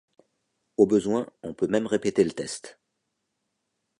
Au besoin, on peut même répéter le test.